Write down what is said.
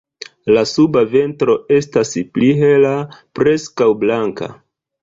La suba ventro estas pli hela, preskaŭ blanka.